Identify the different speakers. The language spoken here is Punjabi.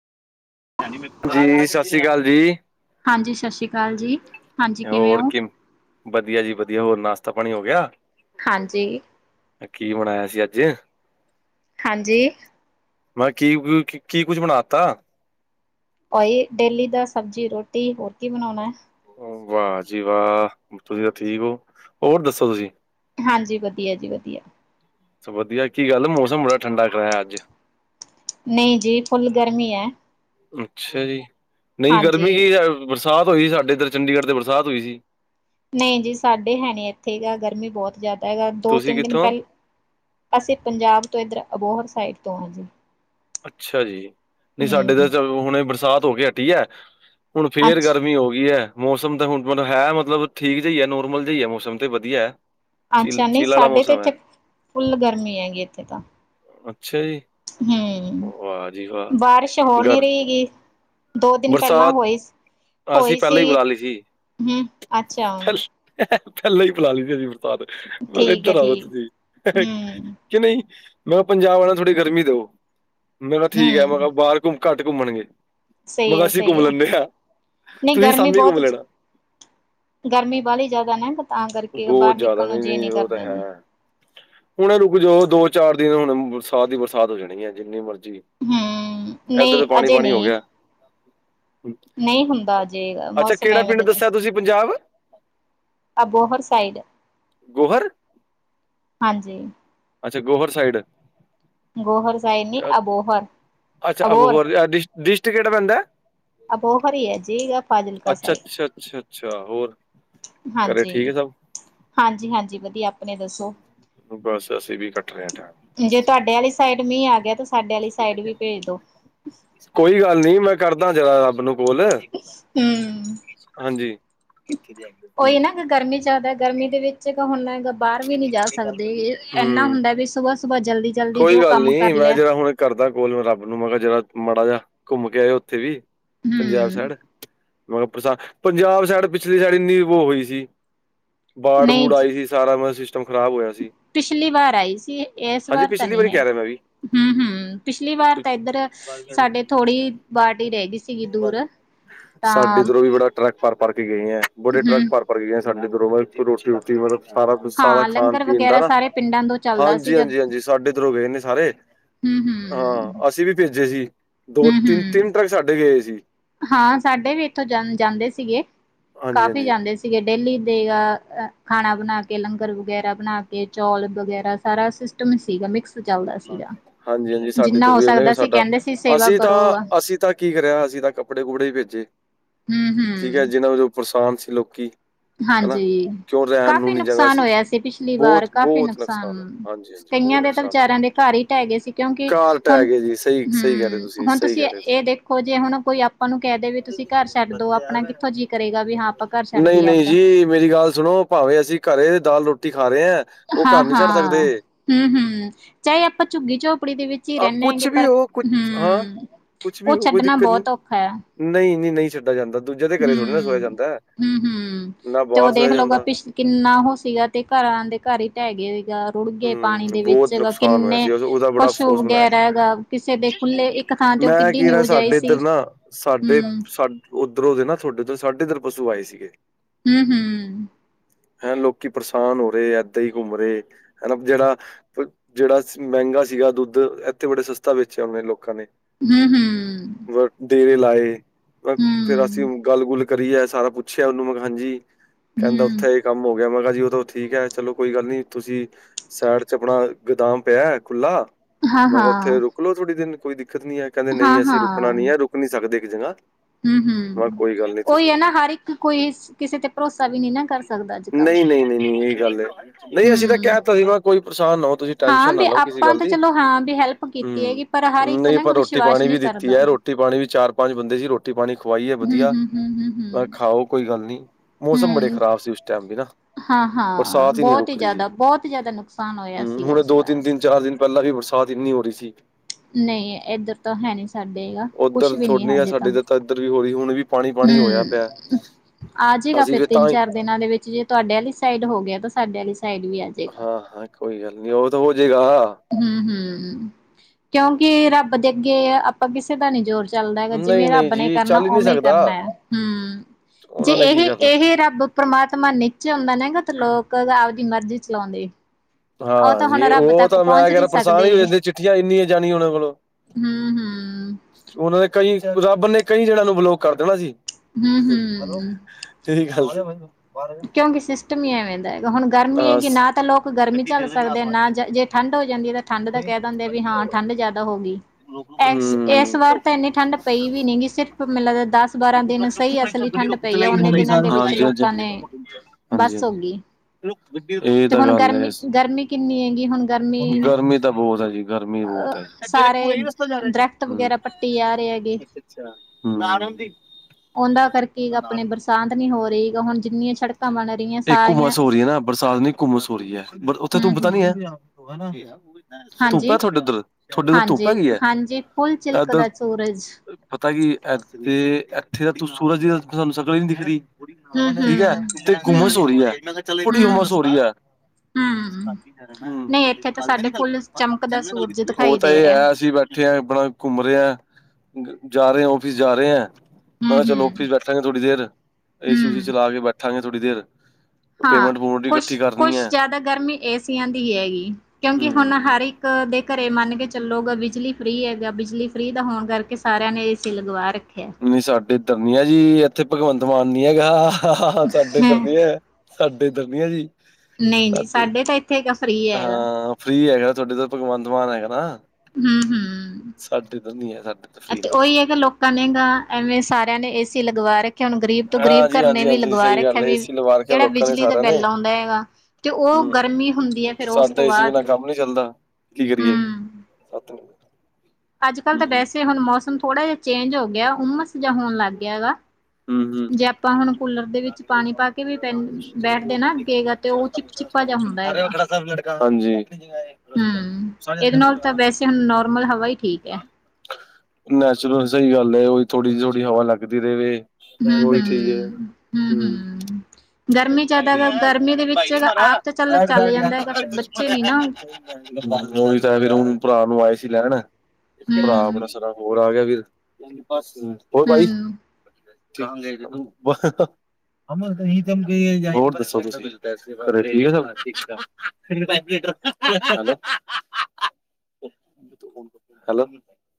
Speaker 1: ਜੀ, ਸਤਿ ਸ਼੍ਰੀ ਅਕਾਲ ਜੀ।
Speaker 2: ਹਾਂਜੀ, ਸਸ ਸ਼੍ਰੀ ਅਕਾਲ ਜੀ। ਹਾਂਜੀ, ਕਿਵੇਂ
Speaker 1: ਹੋਰ
Speaker 2: ਓ?
Speaker 1: ਕਿ ਵਧੀਆ ਜੀ, ਵਧੀਆ। ਹੋਰ ਨਾਸ਼ਤਾ ਪਾਣੀ ਹੋ ਗਿਆ?
Speaker 2: ਹਾਂਜੀ।
Speaker 1: ਏ ਕੀ ਬਣਾਇਆ ਸੀ। ਅੱਜ?
Speaker 2: ਹਾਂਜੀ।
Speaker 1: ਮੈਂ ਕੀ ਕੁ ਕੀ ਕੁਛ ਬਣਾਤਾ?
Speaker 2: ਓਹੀ ਡੇਲੀ ਦਾ ਸਬਜ਼ੀ, ਰੋਟੀ ਹੋਰ ਕੀ ਬਨੋਨਐ।
Speaker 1: ਵਾਹ ਜੀ, ਵਾਹ। ਤੁਸੀਂ ਤਾਂ ਠੀਕ ਓ। ਹੋਰ ਦੱਸੋ ਤੁਸੀਂ?
Speaker 2: ਹਾਂਜੀ। ਵਧੀਆ ਜੀ, ਵਧੀਆ।
Speaker 1: ਸੋ ਵਧੀਆ, ਕੀ ਗੱਲ ਮੌਸਮ ਬੜਾ ਠੰਡਾ ਕਰਾਇਆ। ਅੱਜ
Speaker 2: ਨ‌ਈ ਜੀ, ਥੋਨੀ ਗਰਮੀ ਐ।
Speaker 1: ਅੱਛਾ ਜੀ। ਨ‌ਈ, ਗਰਮੀ
Speaker 2: ਹਾਂਜੀ।
Speaker 1: ਗ ਬਰਸਾਤ ਹੋਈ ਸੀ। ਸਾਡੇ ਇੱਧਰ ਚੰਡੀਗੜ੍ਹ ਤੇ ਬਰਸਾਤ ਹੋਈ ਸੀ।
Speaker 2: ਨ‌ਈ ਜੀ, ਸਾਡੇ ਹੈ ਨੀ ਇੱਥੇ ਗ ਗਰਮੀ ਬਹੁਤ ਜ਼ਿਆਦਾ ਹੈਗਾ। ਦੋ,
Speaker 1: ਤੁਸੀਂ
Speaker 2: ਤਿੰਨ ਦਿਨ
Speaker 1: ਕਿੱਥੋਂ
Speaker 2: ਪਹਿਲ ਅਸੀਂ ਪੰਜਾਬ ਤੋਂ ਇਧਰ ਅਬੋਹਰ ਸਾਈਡ ਤੋਂ ਹਾਂ ਜੀ।
Speaker 1: ਅੱਛਾ ਜੀ। ਨ‌ਈ, ਸਾਡੇ ਤਾਂ
Speaker 2: ਹਮ
Speaker 1: ਚ ਹੁਣੇ ਬਰਸਾਤ ਹੋ ਕੇ ਹਟੀ ਐ। ਹੁਨ ਫੇਰ
Speaker 2: ਅੱਛ
Speaker 1: ਗਰਮੀ ਹੋ ਗਈ ਐ। ਮੌਸਮ ਤਾਂ ਹੁਨ [unintelligible] ਹੈ ਮਤਲਬ ਠੀਕ ਜ‌ਆ ਈ ਐ। ਨੋਰਮਲ ਜ‌ਆ ਐ ਮੌਸਮ ਤੇ ਵਧੀਆ ਐ।
Speaker 2: ਅੱਛਾ। ਨ‌ਈ, ਸਾਡੇ ਤਾਂ ਇੱਥੇ ਫੁੱਲ ਗਰਮੀ ਹੈਗੀ ਇੱਥੇ ਤਾਂ
Speaker 1: ਅੱਛਾ ਜੀ।
Speaker 2: ਹੂੰ,
Speaker 1: ਵਾਹ ਜੀ ਵਾਹ
Speaker 2: ਬਾਰਿਸ਼ ਹੋ ਨ
Speaker 1: ਗਰ
Speaker 2: ਰਹੀ ਹੈਗੀ। ਦੋ ਦਿਨ ਪਹਿਲਾਂ
Speaker 1: ਬਰਸਾਤ
Speaker 2: ਹੋਏ
Speaker 1: ਅਸੀਂ
Speaker 2: ਸ--ਹੋਈ
Speaker 1: ਪਹਿਲਾਂ
Speaker 2: ਸੀ,
Speaker 1: ਹੀ ਬੁਲਾ ਲਈ
Speaker 2: ਹੂੰ ਅੱਛਾ।
Speaker 1: ਪੈਲਾਂ ਹੀ ਕਰਾ ਲਈ ਦੀ ਬਰਸਾਤ, ਮੈਂ ਕਹਿੰਦਾ-ਇਦਰ ਆਓ! ਤੁਸੀਂ ਕੇ ਨ‌ਈ, ਮੈਂ ਕਿਹਾ-ਪੰਜਾਬ ਵਾਲਣਾ, ਥੋੜੀ ਗਰਮੀ ਦੇਓ। ਮੈਂ ਕਿਹਾ-ਠੀਕ ਹੈ। ਮੈਂ ਕਿਹਾ-ਬਾਹਰ ਘ ਘੱਟ ਘੁੰਮਣਗੇ। ਮੈਂ ਕਿਹਾ- ਅਸੀਂ ਘੁੰਮ ਲੈਂਦੇ ਆ।
Speaker 2: ਨਹੀਂ
Speaker 1: ਤੁਸੀਂ
Speaker 2: ਗਰਮੀ
Speaker 1: ਸਾਮੀ ਘੁੰਮ
Speaker 2: ਬਹੁਤ ਜ
Speaker 1: ਲੈਣਾ।
Speaker 2: ਗਰਮੀ ਬਾਹਲੀ ਜ਼ਿਆਦਾ ਨਾ ਤਾਂ ਕਰਕੇ
Speaker 1: ਬਹੁਤ
Speaker 2: ਬਾਹਰ
Speaker 1: ਜ਼ਿਆਦਾ
Speaker 2: ਨਿਕਲ ਨੂੰ
Speaker 1: ਨਹੀਂ
Speaker 2: ਜੀ ਨੀ
Speaker 1: ਨਹੀਂ ਉਹ ਤਾਂ
Speaker 2: ਕਰਦਾ
Speaker 1: ਹੈ
Speaker 2: ਜੀ।
Speaker 1: ਹੁਣੇ ਰੁਕ ਜੋ ਦੋ, ਚਾਰ ਦਿਨ ਹੁਣ ਬਰਸਾਤ ਹੀ ਬਰਸਾਤ ਹੋ ਜਾਣੀ ਹੈ। ਜਿੰਨੀ ਮਰਜ਼ੀ
Speaker 2: ਹੂੰ,
Speaker 1: ਇਧਰ
Speaker 2: ਨਹੀਂ
Speaker 1: ਤੇ ਪਾਣੀ
Speaker 2: ਅਜੇ
Speaker 1: ਪਾਣੀ ਹੋ
Speaker 2: ਨਹੀਂ,
Speaker 1: ਗਿਆ।
Speaker 2: ਨਹੀਂ ਹੁੰਦਾ ਅਜੇ
Speaker 1: ਅੱਛਾ,
Speaker 2: ਮੌਸਮ
Speaker 1: ਕਿਹੜਾ
Speaker 2: ਐਵੇਂ
Speaker 1: ਪਿੰਡ
Speaker 2: ਦਾ ਚ
Speaker 1: ਦੱਸਿਆ ਤੁਸੀ? ਪੰਜਾਬ
Speaker 2: ਅਬੋਹਰ ਸਾਈਡ।
Speaker 1: ਗੋਹਰ
Speaker 2: ਹਾਂਜੀ।
Speaker 1: ਅੱਛਾ, ਗੋਹਰ ਸਾਈਡ।
Speaker 2: ਗੋਹਰ ਸਾਈਡ ਨੀ ਅਬੋਹਰ
Speaker 1: ਅੱਛਾ, ਅਬੋਹਰ ਡਿ ਡਿਸਿਟ ਕਿਹੜਾ ਪੈਦਾ?
Speaker 2: ਅਬੋਹਰ ਐ ਜੀ, ਆ ਫਾਜ਼ਿਲਕਾ
Speaker 1: ਅੱਛਾ,
Speaker 2: ਸਾਈ
Speaker 1: ਅੱਛਾ, ਅੱਛਾ, ਅੱਛਾ ਹੋਰ ਘਰੇ
Speaker 2: ਹਂਜੀ,
Speaker 1: ਠੀਕ ਹੈ ਸਭ?
Speaker 2: ਹਂਜੀ, ਹਂਜੀ ਵਧੀਆਤੁਸੀ ਅਪਨੇ ਦੱਸੋ।
Speaker 1: ਬਸ ਅਸੀ।
Speaker 2: ਜੇ ਤੁਹਾਡੇ ਆਲੀ ਸਾਈਡ ਮੀਂਹ ਆ ਗਿਆ ਤੇ ਸਾਡੇ ਆਲੀ ਸਾਈਡ ਵੀ ਭੇਜ ਦੋ।
Speaker 1: ਕੋਈ ਗੱਲ ਨਹੀਂ, ਮੈਂ ਕਰਦਾ ਜੇੜਾ ਰੱਬ ਨੂੰ ਕੋਲ।
Speaker 2: ਹੂੰ
Speaker 1: ਹਾਂਜੀ, ਹੂੰ।
Speaker 2: ਔਹੀ ਨਾ ਕਿ ਗਰਮੀ ਜੈ਼ਦਾਐ। ਗਰਮੀ ਦੇ ਵਿੱਚ ਤੇ ਹੁਨ ਆਏਗਾ। ਬਾਹਰ ਵੀ ਨਹੀਂਜਾ ਸਕਦੀ ਇੰਨਾ
Speaker 1: ਹੂੰ,
Speaker 2: ਹੁੰਦਾ ਵੀ ਸੁਬਾਹ, ਸੁਬਾਹ ਜਲਦੀ, ਜਲਦੀ
Speaker 1: ਕੋਈ
Speaker 2: ਜੋ
Speaker 1: ਗੱਲ
Speaker 2: ਕੰਮ
Speaker 1: ਨੀ
Speaker 2: ਕਰ
Speaker 1: ਮੈਂ
Speaker 2: ਲਿਆ।
Speaker 1: ਜਰਾ ਹੁਣ ਕਰਦਾ ਕੋਲ ਰੱਬ ਨੂੰ ਮੈਂ ਕਿਹਾ ਜੇੜਾ ਮਾੜਾ ਜਿਹਾ ਘੁੰਮ ਕੇ ਆਏ ਉੱਥੇ ਵੀ ਪੰਜਾਬ
Speaker 2: ਹਮ
Speaker 1: ਸਾਈਡ। ਮੈਂ ਪੰਜਾਬ ਸਾਈਡ ਪਿਛਲੀ ਸਾਈਡ ਨੀ ਬੋ ਹੋਈ ਸੀ ਬਾੜ
Speaker 2: ਨਹੀਂ
Speaker 1: ਬੂੜ
Speaker 2: ਜੀ
Speaker 1: ਆਈ ਸੀ। ਸਾਰਾ ਮਤਲਬ ਸਿਸਟਮ ਖ਼ਰਾਬ ਹੋਇਆ ਸੀ।
Speaker 2: ਪਿਛਲੀ ਵਾਰ ਆਈ
Speaker 1: ਹਂਜੀ, ਪਿਛਲੀ ਵਾਰੀ ਕਹਿ ਰਿਹਾ ਮੈ ਵੀ।
Speaker 2: ਹੂੰ -ਹੂੰ ਪਿਛਲੀ ਵਾਰ ਤਾਂ ਇੱਧਰ ਸਾਡੇ ਥੋੜ੍ਹੀ ਬਾਟਈ ਰਹਿ ਗਈ ਸੀਗੀ ਦੂਰ। ਤਾਂ
Speaker 1: ਸਾਡੇ ਇਧਰੋਂ ਵੀ ਬੜਾ ਟਰੱਕ ਭਰ ਭਰ ਕੇ ਗਏ ਹੈ। ਬੜੇ ਟਰੱਕ
Speaker 2: ਹਮ
Speaker 1: ਭਰ ਭਰ ਗਏ ਆਂ‌। ਸਾਡੇ ਇੱਧਰੋਂ ਰੋਟੀ ਰੁਟੀ ਮਤਲਬ ਸਾਰਾ ਕੁਛ, ਸਾਰਾ
Speaker 2: ਹਾਂ
Speaker 1: ਖਾਣ
Speaker 2: ਲੰਗਰ
Speaker 1: ਪੀਣ ਦਾ
Speaker 2: ਵਗੈਰਾ
Speaker 1: ਨਾ
Speaker 2: ਸਾਰੇ ਪਿੰਡਾਂ ਤੋਂ ਚੱਲਦਾ
Speaker 1: ਹਂਜੀ,
Speaker 2: ਸੀਗਾ
Speaker 1: ਹਂਜੀ, ਹਂਜੀ ਸਾਡੇ ਇੱਧਰੋਂ ਗਏ ਨੇ ਸਾਰੇ।
Speaker 2: ਹੂੰ -ਹੂੰ-
Speaker 1: ਹਾਂ ਅਸੀਂ ਵੀ ਭੇਜੇ ਸੀ। ਦੋ
Speaker 2: ਹਮ
Speaker 1: ਤਿੰਨ-ਤਿੰਨ ਟਰੱਕ ਸਾਡੇ ਗਏ ਸੀ‌।
Speaker 2: ਹਾਂ, ਸਾਡੇ ਵੀ ਇੱਥੋਂ ਜਾਂ ਜਾਂਦੇ ਸੀਗੇ ਕਾਫੀ
Speaker 1: ਹਾਂਜੀ-ਹਾਂਜੀ,
Speaker 2: ਜਾਂਦੇ ਸੀ। ਜੇ ਡੇਲੀ ਦੇ ਖਾਨਾ ਬਨਾ ਕੇ, ਲੰਗਰ ਵਗੈਰਾ ਬਨਾ ਕੇ, ਚੌਲ ਵਗੈਰਾ ਸਾਰਾ ਟੂ ਸੀਗਾ ਮਿਕਸ। ਚੱਲਦਾ ਸੀਗਾ
Speaker 1: ਹਂਜੀ, ਹਂਜੀ, ਸਾਡੇ
Speaker 2: ਜਿੰਨਾ
Speaker 1: ਇਧਰ
Speaker 2: ਹੋ
Speaker 1: ਵੀ ਉਹ ਨਾ
Speaker 2: ਸਕਦਾ ਸੀ
Speaker 1: ਸਾਡਾ
Speaker 2: ਕਹਿੰਦੇ ਸੀ ਸੇਵਾ
Speaker 1: ਅਸੀਂ ਤਾਂ
Speaker 2: ਕਰੋ
Speaker 1: ਅਸੀਂ ਕੀ ਕਰਿਆ, ਅਸੀਂ ਤਾਂ ਕੱਪੜੇ, ਕੁਪੜੇ ਵੇਚੇ।
Speaker 2: ਹੂੰ
Speaker 1: ਠੀਕ ਹੈ
Speaker 2: ਹੂੰ
Speaker 1: ਜਿਹਨਾਂ ਵਜੋਂ ਪਰੇਸਾਨ ਸੀ ਲੋਕੀਂ।
Speaker 2: ਹਾਂਜੀ, ਕਾਫ਼ੀ ਨੁਕਸਾਨ ਹੋਇਆ ਸੀ। ਪਿਛਲੀ ਵਾਰ ਕਾਫੀ
Speaker 1: ਬਹੁਤ-ਬਹੁਤ ਹੈ
Speaker 2: ਨੁਕਸਾਨ।
Speaker 1: ਹਾਂਜੀ-ਹਾਂਜੀ
Speaker 2: ਕਈਆਂ
Speaker 1: ਬਹੁਤ
Speaker 2: ਦੇ ਤਾਂ
Speaker 1: ਨੁਕਸਾਨ ਹੈ।
Speaker 2: ਵਿਚਾਰਿਆਂ ਦੇ ਘਰ ਹੀ ਢਹਿ ਗਏ ਸੀ। ਕਿਉਂਕਿ,
Speaker 1: ਘਰ ਢਹਿ
Speaker 2: ਹੁਨ
Speaker 1: ਗਏ ਜੀ ਸਹੀ-ਸਹੀ ਕਹਿ ਰਹੇ
Speaker 2: ਹੂੰ ਹੁਨ
Speaker 1: ਸਹੀ
Speaker 2: ਤੁਸੀਂ
Speaker 1: ਕਹਿ ਰਹੇ
Speaker 2: ਇਹ ਦੇਖੋ ਜੇ ਹੁਨ ਕੋਈ ਆਪ ਆਪਾਂ ਨੂੰ ਕਹਿ ਦੇ ਵੀ ਤੁਸੀਂ ਘਰ ਛੱਡ ਦੋ। ਅਪਨਾ ਕਿੱਥੋਂ ਜੀਅ ਕਰੇਗਾ ਵੀ ਹਾਂ ਆਪਾਂ ਘਰ ਛੱਡਦੇਈਏ।
Speaker 1: ਨਹੀਂ, ਨਹੀਂ ਜੀ ਮੇਰੀ ਗੱਲ ਸੁਨੋ, ਭਾਵੇਂ ਅਸੀਂ ਘਰੇ ਦਾਲ ਰੋਟੀ ਖਾ ਰਹੇ ਹਾਂ ਔਹ ਘਰ ਨਹੀਂ ਛੱਡ ਸਕਦੇ।
Speaker 2: ਹੂੰ -ਹੂੰ ਚਾਹੇ ਆਪਾਂ ਝੁੱਗੀ ਚੋ ਝੁਪੜੀ ਦੇ ਵਿੱਚ ਹੀ
Speaker 1: ਅ,
Speaker 2: ਰਹਿਨੇ ਕਿ
Speaker 1: ਕੁਛ ਵੀ
Speaker 2: ਪਰ
Speaker 1: ਹੋ ਕੁਛ ਹਾਂ,
Speaker 2: ਹੂੰ ਔਹ ਚਕਨਾ ਬੋੱਤ ਔਖਾ ਐ।
Speaker 1: ਨਹੀ, ਨਹੀਂ ਚੱਕ। ਐਹ ਜਾਂਦਾ ਦੂਜਾ।
Speaker 2: ਹੂੰ -ਹੂੰ -ਹੂੰ
Speaker 1: ਨਾ
Speaker 2: ਤੇ ਔਹ
Speaker 1: ਬਾਹਰ ਸੋਇਆ
Speaker 2: ਦੇਖ ਲੋਗਾ
Speaker 1: ਜਾਂਦਾ।
Speaker 2: ਪਿਛ ਕਿੰਨਾ ਹੋ ਸੀਆਂ ਦੇ ਘਰਾਂ ਦੇ ਘਰ ਹੀ ਢੈ ਗੀਆ। ਰੁੜ ਗਏ
Speaker 1: ਹੂੰ,
Speaker 2: ਪਾਨੀ ਦੇ ਵਿੱਚ
Speaker 1: ਬਹੁਤ ਨੁਕਸਾਨ ਹੋਇਆ
Speaker 2: ਕਿੰਨੇ
Speaker 1: ਸੀ ਉਸ- ਉਹਦਾ ਬੜਾ
Speaker 2: ਪਸ਼ੂ
Speaker 1: ਅਫਸੋਸ ਮਨਾਇਆ
Speaker 2: ਵਗੈਰਾ
Speaker 1: ਸੀ।
Speaker 2: ਹੈਗਾ ਕਿਸੇ ਦੇ ਖੁੱਲ੍ਹੇ ਇੱਕ ਇੱਕ ਥਾਂ ਤੋ ਉਹ
Speaker 1: ਮੈਂ
Speaker 2: ਕਿੱਡੀ
Speaker 1: ਕੀ ਰਿਹਾ
Speaker 2: ਨਿਊਜ਼ ਆਈ
Speaker 1: ਸਾਡੇ
Speaker 2: ਸੀ। ਹੂੰ
Speaker 1: ਉਧਰੋਂ ਦੀ ਨਾ ਤੁੱਡੇ ਤੋਂ ਸਾਡੇ ਇੱਧਰ ਪਸ਼ੂ ਆਏ ਸੀਗੇ।
Speaker 2: ਹੂੰ- ਹੂੰ-
Speaker 1: ਐ ਲੋਕੀ ਪਰੇਸ਼ਾਨ ਹੋ ਰਹੇ ਏਦਾਂ ਹੀ ਘੁੰਮ ਰਹੇ। ਹੈਨਾ ਜਿਹੜਾ, ਜਿਹੜਾ ਮਹਿੰਗਾ ਸੀਗਾ ਦੁੱਧ ਐਥੇ ਬੜੇ ਸਸਤਾ ਵੇਚਿਆ ਹੋਨਾ ਲੋਕਾਂ ਨੇ।
Speaker 2: ਹੂੰ- ਹੂੰ
Speaker 1: ਵਤ ਡੇਰੇ ਲਾਏ ਵਤ ਤੇਰਾ
Speaker 2: ਹੂੰ।
Speaker 1: ਕਿਉੱ ਗੱਲ, ਗੁੱਲ ਘਰੀਏ ਜਾ ਸਾਰਾ ਪੁੱਛਿਆ, ਉਹਨੂੰ ਮੈਂ ਕਿਹਾ ਹਂਜੀ, ਕੈਂਦਾ
Speaker 2: ਹੂੰ,
Speaker 1: ਉੱਥੇ ਇਹ ਕੰਮ ਹੋ ਗਿਆ। ਮੈਂ ਕਿਹਾ ਜੀ ਉਹ ਤਾਂ ਠੀਕ ਐ। ਚਲੋ ਕੋਈ ਗੱਲ ਨੀ। ਤੁਸੀਂ ਸਾਈਡ ਚ ਅਪਨਾ ਗੋਦਾਮ ਪਿਆਐ ਖੁੱਲਾ। ਮੈਂ ਕਾ
Speaker 2: ਹਾਂ-ਹਾਂ,
Speaker 1: ਉੱਥੇ ਰੁਕਲੋ ਥੋੜੀ ਦਿਨ ਕੋਈ ਦਿੱਕਤ ਨੀ ਕਹਿੰਦੇ ਨਹੀਂ ਅਸੀਂ ਰੁਕਨਾ ਨੀ ਐ ਰੁਕ ਰੁਕ ਨੀ ਸਕਦੇ ਇੱਕ ਜਗ੍ਹਾ। ਕਿਹਾ
Speaker 2: ਹੂ-ਹੂ
Speaker 1: ਕੋਈ ਗੱਲ ਨੀ ਤੁਸੀਂ
Speaker 2: ਔਹੀ ਹੈ ਨਾ ਹਰ ਇੱਕ ਕੋਈ ਕਿਸੇ ਤੇ ਭਰੋਸਾ ਵੀ ਨਾ ਕਰ ਸਕਦਾ। ਅੱਜਕਲ
Speaker 1: ਨਹੀਂ ਨਹੀਂ, ਨਹੀਂ-ਨਹੀਂ ਇੰਜਏ ਗੱਲ ਏ ਨਹੀਂ ਅਸੀਂ ਤਾਂ ਕਹਿ ਤਾ ਸੀ। ਨਾ ਕੋਈ ਪਰੇਸ਼ਾਨ ਨਾ ਹੋ, ਤੁਸੀਂ
Speaker 2: ਹਾਂ
Speaker 1: ਟੈਨਸ਼ਨ ਨਾ
Speaker 2: ਵੀ
Speaker 1: ਲਓ, ਕਿਸੀ
Speaker 2: ਆਪਾਂ
Speaker 1: ਗੱਲ
Speaker 2: ਤਾਂ
Speaker 1: ਦੀ,
Speaker 2: ਚਲੋ ਹਾਂ ਵੀ ਹੈਲਪ ਕੀਤੀ ਹੈਗੀ ਪਰ ਹਰ
Speaker 1: ਹੂ
Speaker 2: ਇੱਕ
Speaker 1: ਨਈ
Speaker 2: ਨਾ
Speaker 1: ਪਰ ਰੋਟੀ
Speaker 2: ਵਿਸ਼ਵਾਸ
Speaker 1: ਪਾਣੀ ਵੀ
Speaker 2: ਨਹੀਂ
Speaker 1: ਦਿੱਤੀ
Speaker 2: ਕਰਦਾ
Speaker 1: ਆ, ਰੋਟੀ ਪਾਣੀ ਵੀ ਚਾਰ- ਪੰਜ, ਬੰਦੇ ਸੀ ਰੋਟੀ ਰੋਟੀ, ਪਾਣੀ ਖਵਾਈਏ ਵਧੀਆ,
Speaker 2: ਹੂੰ-ਹੂੰ-ਹੂੰ-ਹੂੰ-ਹੂੰ
Speaker 1: ਖਾਓ ਕੋਈ ਗੱਲ ਨਈ ਮੌਸਮ ਬੜੇ ਖ਼ਰਾਬ ਸੀ। ਉਸ ਟਾਈਮ ਦੇ ਨਾ
Speaker 2: ਹਾਂ-ਹਾਂ
Speaker 1: ਬਰਸਾਤ ਨੀ
Speaker 2: ਬਹੁਤ ਹੀ
Speaker 1: ਰੁਕ ਰਹੀ ਸੀ।
Speaker 2: ਜ਼ਿਆਦਾ- ਬਹੁਤ ਜ਼ਿਆਦਾ ਹੋਇਆ
Speaker 1: ਹੂੰ,
Speaker 2: ਸੀਗਾ।
Speaker 1: ਹੁਣੇ
Speaker 2: ਉਸ ਵਾਰ
Speaker 1: ਦੋ-ਤਿੰਨ ਦਿਨ, ਚਾਰ ਦਿਨ ਪਹਿਲਾਂ ਵੀ, ਬਰਸਾਤ ਇੰਨੀ ਹੋ ਰਹੀ ਸੀ।
Speaker 2: ਨਹੀਂ ਏਧਰ ਤਾਂ ਹੈ ਨੀ ਸਾਡੇ ਨਾ, ਕੁੱਛ ਵੀ ਨੀ
Speaker 1: ਥੋਡੇ ਜਾਂ
Speaker 2: ਹਜੇ
Speaker 1: ਸਾਡੇ
Speaker 2: ਤਾਂ।
Speaker 1: ਉੱਧਰ ਵੀ ਹੌਲੀ ਹੁਣ ਵੀ ਪਾਣੀ-ਪਾਣੀ ਹੋਇਆ ਪਿਆ,
Speaker 2: ਆ ਜਾਏਗਾ
Speaker 1: ਅਸੀਂ
Speaker 2: ਫਿਰ
Speaker 1: ਵੀ ਤਾਂ
Speaker 2: ਤਿੰਨ ਚਾਰ ਦਿਨਾਂ ਦੇ ਵਿੱਚ ਜੇ, ਤੁਹਾਡੇ ਵਾਲੀ ਸਾਈਡ ਹੋ ਗਿਆ, ਤਾਂ ਸਾਡੇ ਵਾਲੀ ਸਾਈਡ ਵੀ ਆ ਜਾਏਗਾ
Speaker 1: ਹਾਂ-ਹਾਂ ਕੋਈ ਗੱਲ ਨਈ, ਉਹ ਤਾਂ ਹੋ ਜਾਏਗਾ
Speaker 2: ਹੂ-ਹੂ ਕਿਉਂਕਿ, ਰੱਬ ਦੇ ਅੱਗੇ ਆਪਾਂ ਕਿਸੇ ਦਾ ਨਈ ਜੋ਼ਰ ਚੱਲਦਾ ਗਾ, ਜਿਵੇਂ
Speaker 1: ਨਹੀਂ-ਨਹੀਂ
Speaker 2: ਰੱਬ ਨੇ
Speaker 1: ਜੀ
Speaker 2: ਕਰਨਾ
Speaker 1: ਚੱਲ ਹੀ ਨਹੀਂ
Speaker 2: ਉਵੇਂ, ਕਰਨਾ
Speaker 1: ਸਕਦਾ।
Speaker 2: ਹੈ ਹੂੰ। ਜੇ,
Speaker 1: ਉਹਨਾਂ ਨੇ ਕੀ ਕਰਨਾ,
Speaker 2: ਇਹੇ-ਇਹੇ ਰੱਬ ਪਰਮਾਤਮਾ ਨੀਚੇ ਹੁੰਦਾ ਨਾ, ਤੇ ਲੋਕ ਆਪਦੀ ਮਰਜ਼ੀ ਚਲਾਉਂਦੇ ਉਹ
Speaker 1: ਭਾ
Speaker 2: ਤਾਂ ਹੁਣ
Speaker 1: ਜੀ
Speaker 2: ਰੱਬ
Speaker 1: ਉਹ
Speaker 2: ਤੱਕ
Speaker 1: ਤਾਂ ਮੈਂ
Speaker 2: ਪਹੁੰਚ ਨਹੀਂ
Speaker 1: ਕਿਹਾ ਪਰੇਸਾਨ
Speaker 2: ਸਕਦੇ
Speaker 1: ਹੀ ਹੋ ਜਾਂਦੀਆ ਚਿੱਠੀਆਂ ਇੰਨੀਆਂ ਜਾਣੀਆ ਉਨਾਂ ਕੋਲੋਂ
Speaker 2: ਹਮ ਹਮ
Speaker 1: ਹੋਰ
Speaker 2: ਹਮ -ਹਮ
Speaker 1: ਸਹੀ ਗੱਲ [unintelligible] ਬਾਹਰ ਆਇਓ [inaudible]
Speaker 2: ਕਿਉਂਕਿ, ਸਿਸਟਮ ਈ ਏਵੇ ਦਾ ਐ ਤੇ ਹੁਣ ਗਰਮੀ ਆ, ਨਾ ਤਾਂ ਲੋਕ ਗਰਮੀ ਝੱਲ ਸਕਦੇ ਨੇ, ਜੇ-ਜੇ ਠੰਡ ਹੋ ਜਾਂਦੀ ਐ ਤਾਂ, ਠੰਡ ਤਾਂ ਕਹਿ ਦਿੰਦੇ ਆ ਵੀ ਹਾਂ ਠੰਡ ਜਿਆਦਾ ਹੋ ਗਈ, ਐਸ -ਐਸ ਇਸ ਵਾਰ
Speaker 1: ਹੂੰ।
Speaker 2: ਤਾਂ ਇੰਨੀ ਠੰਡ ਪਈ ਵੀ ਨਈ ਗੀ, ਸਿਰਫ ਮੈਨੂੰ ਲੱਗਦਾ ਦਸ ਬਾਰਾਂ ਦਿਨ ਸਹੀ ਅਸਲੀ ਠੰਢ ਪਈ‌ ਆ, ਉਹਨੇ ਦਿਨਾਂ ਦੇ ਵਿੱਚ
Speaker 1: ਹਾਂਜੀ
Speaker 2: ਲੋਕਾਂ
Speaker 1: ਹਾਂਜੀ
Speaker 2: ਨੇ
Speaker 1: ਹਾਂਜੀ ਹਾਂਜੀ
Speaker 2: ਬੱਸ
Speaker 1: ਹਾਂਜੀ
Speaker 2: ਹੋਗੀ।
Speaker 1: ਇਹ
Speaker 2: ਤੇ
Speaker 1: ਤਾਂ
Speaker 2: ਹੁਣ
Speaker 1: ਗੱਲ ਹੈ
Speaker 2: ਗਰਮੀ- ਗਰਮੀ ਕਿੰਨੀ ਹੈਗੀ, ਹੁਣ ਗਰਮੀ
Speaker 1: ਤਾਂ ਬਹੁਤ ਹੈ ਜੀ ਗਰਮੀ ਬਹੁਤ ਹੈ ਜੀ
Speaker 2: ਅਹ ਸਾਰੇ ਦਰਖਤ
Speaker 1: ਹੂੰ
Speaker 2: ਵਗੈਰਾ, ਪੱਟੀ ਜਾ ਰਹੇ ਹੈਗੇ।
Speaker 1: ਹੂੰ
Speaker 2: ਉਨਾ ਕਰਕੇ, ਆਪਣੇ ਬਰਸਾਤ ਨਈ ਹੋ ਰਹੀ ਹੈਗੀ ਹੁਣ ਜਿੰਨੀਆਂ ਸੜਕਾਂ ਬਣ ਰਹੀਆਂ
Speaker 1: ਇਹ
Speaker 2: ਸਾਰੀਆਂ
Speaker 1: ਘੁੰਮਸ ਹੋ ਰਹੀ ਐ,
Speaker 2: ਹੂੰ
Speaker 1: ਨਾ ਬਰਸਾਤ ਨੀ ਘੁੰਮਸ ਹੋ ਰਹੀ ਐ, ਉੱਥੇ ਧੁੱਪ ਤਾ ਨਈ ਐ
Speaker 2: ਹੂੰ
Speaker 1: ਧੁੱਪ ਐ
Speaker 2: ਹਾਂਜੀ
Speaker 1: ਤੁਹਾਡੇ ਉੱਧਰ?
Speaker 2: ਹਾਂਜੀ- ਹਾਂਜੀ ਫੁਲ
Speaker 1: ਇੱਧਰ
Speaker 2: ਚਿਲਕਦਾ ਸੂਰਜ
Speaker 1: ਪਤਾ ਕੀ ਐਤਕੀ, ਇੱਥੇ ਤਾਂ ਸੂਰਜ ਤੁਹਾਨੂੰ ਸ਼ਕਲ ਨਈ ਦਿਖਣੀ
Speaker 2: ਹੂੰ,
Speaker 1: ਠੀਕ ਐ
Speaker 2: ਹੂੰ,
Speaker 1: ਇਥੇ
Speaker 2: ਹੂੰ,
Speaker 1: ਘੁੰਮਸ ਹੋ ਰਹੀ ਐ, ਬੜੀ ਹੁੰਮਸ
Speaker 2: ਹੂੰ।
Speaker 1: ਹੋ ਰਹੀ ਐ
Speaker 2: ਹੂੰ, ਨਹੀਂ ਇੱਥੇ ਤਾਂ
Speaker 1: ਕੱਲ ਤੇ
Speaker 2: ਸਾਡੇ
Speaker 1: ਨੀ ਗੱਲ
Speaker 2: ਫੁੱਲ
Speaker 1: ਕੀਤੀ ਆਪਾ [unintelligible]
Speaker 2: ਚਮਕਦਾ
Speaker 1: ਨਾਲ ਗੱਲ
Speaker 2: ਸੂਰਜ
Speaker 1: ਕੀਤੀ ਐ ਉਹ
Speaker 2: ਦਿਖਾਈ
Speaker 1: ਤਾਂ
Speaker 2: ਦੇ
Speaker 1: ਇਹ
Speaker 2: ਰਿਹਾ।
Speaker 1: ਆ ਅਸੀ ਬੈ ਬੈਠੇ ਆ ਆਪਣਾ ਘੁੰਮ ਰਿਹਾ ਜਾ ਰਿਹਾ, ਜਾ ਰਹੇ ਔਫਿਸ ਜਾ ਰਿਹਾ, ਮੈ
Speaker 2: ਹੂੰ,
Speaker 1: ਕਿਹਾ ਚਲੋ
Speaker 2: ਹੂੰ।
Speaker 1: ਔਫਿਸ ਬੈਠੇ ਚੰਗਾ ਥੋੜੀ ਦੇਰ ਏ-ਸੀ, ਊ-ਸੀ
Speaker 2: ਹੂੰ,
Speaker 1: ਚਲਾ ਕੇ ਬੈਠਾਂਗੇ ਥੋੜ੍ਹੀ ਦੇਰ
Speaker 2: ਹਾਂ,
Speaker 1: ਪੇਮੈਂਟ ਪੂਮੈਂਟ ਇਕੱਠੀ
Speaker 2: ਕੁਛ-ਕੁਛ
Speaker 1: ਕਰਨੀ ਹੈ
Speaker 2: ਜ਼ਿਆਦਾ ਗਰਮੀ ਏ ਸੀਆਂ, ਦੀ ਹੈਗੀ ਕਿਉਂਕਿ, ਹੁਣ
Speaker 1: ਹੂੰ
Speaker 2: ਹਰ ਇੱਕ ਇੱਕ ਦੇ ਘਰੇ ਮੰਨ ਕੇ ਚੱਲੋ ਬਿਜਲੀ ਫ੍ਰਰੀ ਹੈਗਾ, ਬਿਜਲੀ ਫ੍ਰਰੀ ਦਾ ਹੋਣ ਕਰਕੇ, ਸਾਰਿਆਂ ਨੇ ਏ ਸੀ ਲਗਵਾ ਰੱਖਿਆ।
Speaker 1: ਨਹੀਂ ਸਾਡੇ ਇਧਰ ਨੀ ਐ ਜੀ, ਇੱਥੇ ਭਗਵੰਤ ਮਾਨ ਨੀ ਹੈਗਾ, ਸਾਡੇ ਇਧਰ ਨੀ ਐ। ਸਾਡੇ ਤਾਂ ਵੀ ਆ ਜੀ।
Speaker 2: ਨਹੀ ਜੀ ਸਾਡੇ ਤਾਂ ਇੱਥੇ ਹੈਗਾ, ਫਰੀ ਹੈਗਾ।
Speaker 1: ਫਰੀ ਹੈਗਾ, ਤੁਹਾਡੇ ਤਾਂ ਇੱਥੇ ਭਗਵੰਤ ਮਾਨ ਹੈਗਾ ਨਾ,
Speaker 2: ਹੂੰ, ਹੂੰ।
Speaker 1: ਸਾਡੇ ਤਾਂ ਨੀ ਹੈਗਾ
Speaker 2: ਅਤੇ ਉਈ ਐ ਕਿ ਲੋਕਾਂ ਨੇ ਗਾ ਐਵੇਂ, ਸਾਰਿਆਂ ਨੇ ਏ ਸੀ ਲਗਵਾ ਰੱਖ ਖੇ ਹੁਣ ਗ਼ਰੀਬ ਤੋਂ
Speaker 1: ਹੈ
Speaker 2: ਗ਼ਰੀਬ
Speaker 1: ਹਾਂਜੀ
Speaker 2: ਘਰ ਨੇ
Speaker 1: ਹਾਂਜੀ
Speaker 2: ਵੀ
Speaker 1: ਹਾਂਜੀ
Speaker 2: ਲਗਵਾ
Speaker 1: ਸਹੀ
Speaker 2: ਰੱਖਿਆ,
Speaker 1: ਗੱਲ ਹੈ
Speaker 2: ਵੀਂ
Speaker 1: ਏਸੀ ਲਵਾ ਰੱਖਿਆ
Speaker 2: ਕਿਹੜਾ
Speaker 1: ਲੋਕਾਂ ਨੇ
Speaker 2: ਬਿਜਲੀ ਦਾ
Speaker 1: ਸਾਰਿਆਂ ਨੇ
Speaker 2: ਬਿੱਲ ਆਉਂਦਾ ਐ ਗਾ ਤੇ ਉਹ
Speaker 1: ਹੂੰ
Speaker 2: ਗਰਮੀ ਹੁੰਦੀ ਐ, ਫਿਰ ਉਸ
Speaker 1: ਸਾਡਾ
Speaker 2: ਤੋਂ
Speaker 1: ਏਸੀ
Speaker 2: ਬਾਅਦ
Speaker 1: ਬਿਨਾਂ ਕੰਮ ਨੀ ਚੱਲਦਾ ਕੀ ਕਰੀਏ? ਸਾਥੋਂ।
Speaker 2: ਅੱਜ-ਕੱਲ੍ਹ ਤਾਂ ਵੈਸੇ ਹੁਨ ਮੌਸਮ ਥੋੜਾ ਜੇਹਾ ਚੇਂਜ ਹੋ ਗਿਆ, ਉਮਸ ਜਾ ਹੋਨ ਲੱਗ ਗਿਆ ਵਾ।
Speaker 1: ਹੂੰ
Speaker 2: ਜੇ ਆਪਾਂ ਹੁਨ ਕੂਲਰ ਦੇ ਵਿੱਚ ਪਾਨੀ ਪਾ ਕੇ ਵੀ ਪੈਂ ਬੈਠਦੇ ਆ ਨਾ, ਅੱਗੇ ਗ 'ਤੇ ਉਹ ਚਿਪ- ਚਿੱਪਾ ਜਾ ਹੁੰਦਾ ਹੈ ਗਾ।
Speaker 1: ਹਾਂਜੀ।
Speaker 2: ਹੂੰ, ਏਦੇ ਨਾਲ ਤਾਂ ਵੈਸੇ ਹੁਨ ਨੋਰਮਲ ਹਵਾ ਈ ਠੀਕ ਐ।
Speaker 1: ਨੈਚੁਰਲ ਸਹੀ ਗੱਲ ਐ, ਉਂਜ ਥੋੜੀ- ਥੋੜੀ ਹਵਾ ਲੱਗਦੀ ਰਵੇ। ਓਈ ਚੀਜ਼ ਏ,
Speaker 2: ਹੂੰ-ਹੂੰ,
Speaker 1: ਹੂੰ।
Speaker 2: ਹੂੰ-ਹੂੰ। ਗਰਮੀ
Speaker 1: ਭਾਈ
Speaker 2: ਜ਼ਿਆਦਾ
Speaker 1: ਨੀ
Speaker 2: ਗ
Speaker 1: ਐ,
Speaker 2: ਗਰਮੀ ਦੇ
Speaker 1: ਭਾਈ
Speaker 2: ਵਿੱਚ
Speaker 1: ਨੀ
Speaker 2: ਹੈਗਾ
Speaker 1: ਹਮਾਰਾ
Speaker 2: ਆਪ ਤਾਂ ਚੱਲ
Speaker 1: ਅਠ-
Speaker 2: ਚੱਲ
Speaker 1: ਦਸ ਯਾਰ
Speaker 2: ਜਾਂਦਾ ਹੈਗਾ ਫਿਰ ਬੱਚੇ
Speaker 1: ਦੁਸ਼ਮਨ
Speaker 2: ਨੀ ਨਾ
Speaker 1: ਐ। ਓਈ ਤਾਂ ਐ ਵੀਰ ਓਮ, ਭਰਾ ਨੂੰ ਆਏ ਸੀ ਲੈਨ। ਭਰਾ
Speaker 2: ਹੂੰ,
Speaker 1: ਆਪਨਾ ਸਗਾ ਹੋਰ ਆ ਗਿਆ ਵੀਰ, ਬਸ, ਹੋਰ ਭਾਜੀ।
Speaker 2: ਹੂੰ।
Speaker 1: ਚਾਂਦ ਦੇਖ ਲੂੰ, ਬਹ ਹਾ। ਹੋਰ ਦੱਸੋ ਤੁਸੀਂ, ਘਰੇ ਠੀਕ ਐ ਸਭ? Hello, hello.